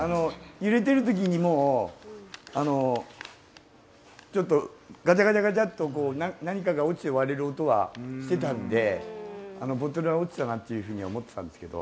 揺れてる時にもちょっとガチャガチャガチャっと、何かが落ちて割れる音はしてたんで、ボトルが落ちたなと思っていたんですけど。